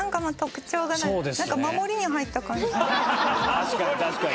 確かに確かに。